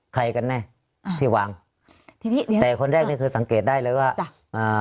ใครกันแน่ที่หวังแต่คนแรกนี้คือสังเกตได้เลยว่าอ่า